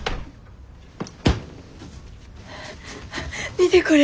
見てこれ。